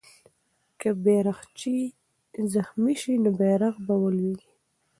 که بیرغچی زخمي سي، نو بیرغ به ولويږي.